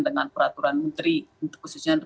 dengan peraturan menteri khususnya